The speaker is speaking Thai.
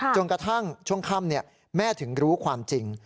จนกระทั่งช่วงค่ำแม่ถึงรู้ความจริง